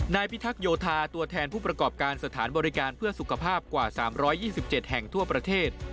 พิทักษ์โยธาตัวแทนผู้ประกอบการสถานบริการเพื่อสุขภาพกว่า๓๒๗แห่งทั่วประเทศ